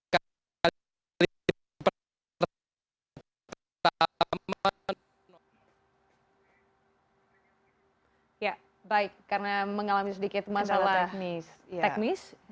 karena mengalami sedikit masalah teknis